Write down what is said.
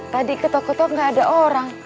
tadi ke toko tuh gak ada orang